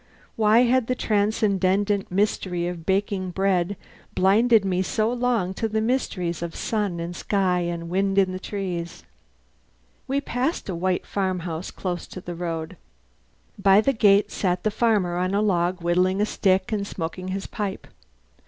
Why had the transcendent mystery of baking bread blinded me so long to the mysteries of sun and sky and wind in the trees? We passed a white farmhouse close to the road. By the gate sat the farmer on a log, whittling a stick and smoking his pipe.